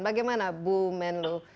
bagaimana bu menlu